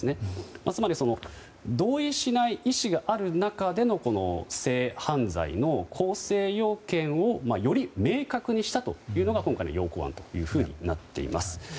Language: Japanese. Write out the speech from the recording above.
つまり、同意しない意思がある中での性犯罪の構成要件をより明確にしたというのが今回の要綱案となっています。